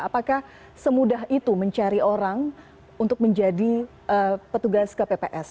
apakah semudah itu mencari orang untuk menjadi petugas kpps